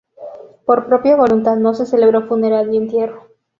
Por propia voluntad no se celebró funeral ni entierro.